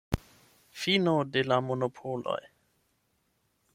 Fino de la monopoloj.